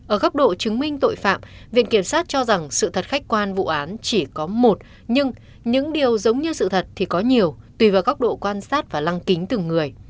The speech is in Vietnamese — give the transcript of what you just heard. ở góc độ chứng minh tội phạm viện kiểm sát cho rằng sự thật khách quan vụ án chỉ có một nhưng những điều giống như sự thật thì có nhiều tùy vào góc độ quan sát và lăng kính từng người